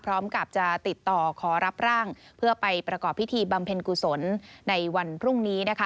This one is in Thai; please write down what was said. พร้อมกับจะติดต่อขอรับร่างเพื่อไปประกอบพิธีบำเพ็ญกุศลในวันพรุ่งนี้นะคะ